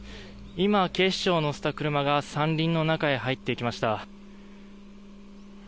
今、警視庁を乗せた車が山林の中へと入っていきました。